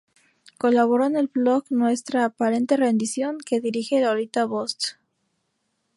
Colaboró en el blog Nuestra Aparente Rendición, que dirige Lolita Bosch.